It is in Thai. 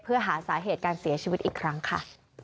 เพื่อหาสาเหตุการเสียชีวิตอีกครั้งค่ะ